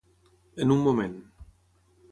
En un moment.